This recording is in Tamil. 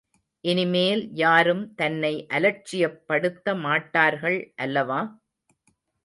இனிமேல் யாரும் தன்னை அலட்சியப் படுத்த மாட்டார்கள் அல்லவா?